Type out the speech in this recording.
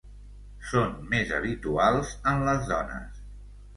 Són més habituals en les dones.